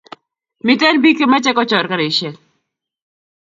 Miten pik che mache kochor karishek